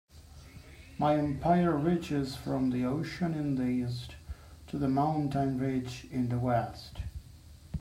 My empire reaches from the ocean in the East to the mountain ridge in the West.